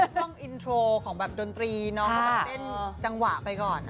มันเป็นความอินโทรของแบบดนตรีเนอะเขาก็เต้นจังหวะไปก่อน